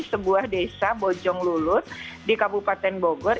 sebuah desa bojong lulus di kabupaten bogor